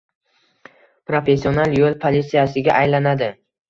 professional yo'l politsiyasiga aylanadi ;